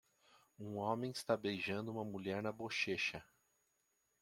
Um homem está beijando uma mulher na bochecha.